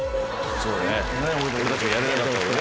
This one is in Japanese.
そうだね